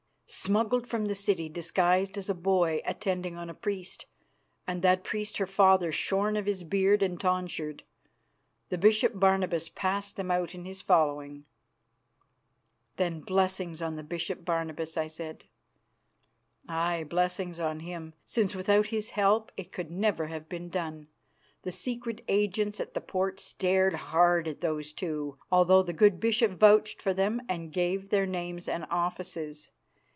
"Smuggled from the city disguised as a boy attending on a priest, and that priest her father shorn of his beard and tonsured. The Bishop Barnabas passed them out in his following." "Then blessings on the Bishop Barnabas," I said. "Aye, blessings on him, since without his help it could never have been done. The secret agents at the port stared hard at those two, although the good bishop vouched for them and gave their names and offices.